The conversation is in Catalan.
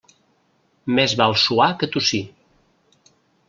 Més val suar que tossir.